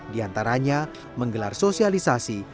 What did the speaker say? di antaranya menggelar sosialisasi